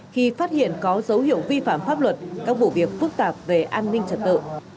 khi phát hiện có dấu hiệu vi phạm pháp luật các vụ việc phức tạp về an ninh trật tự